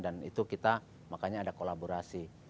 dan itu kita makanya ada kolaborasi